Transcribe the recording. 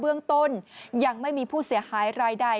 เบื้องต้นยังไม่มีผู้เสียหายรายใด